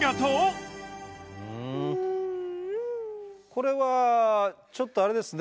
これはちょっとあれですね。